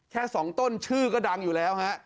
แค่๒ต้นชื่อก็ดังอยู่แล้วฮะ